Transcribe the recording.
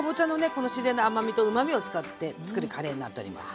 この自然な甘みとうまみを使ってつくるカレーになっております。